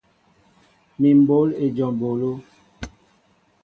Mi mɓǒl éjom eɓólo.